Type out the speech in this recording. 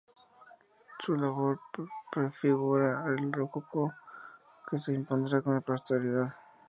Su labor prefigura el Rococó, que se impondrá con posterioridad.